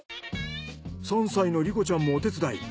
３歳の莉心ちゃんもお手伝い。